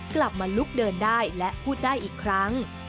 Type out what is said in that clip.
กลับมาลุกเดินได้และพูดได้อีกครั้ง